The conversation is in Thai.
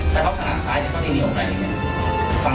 แต่เฝ้าแล้วถนัดสายแล้วก็จะยืนได้ออกไป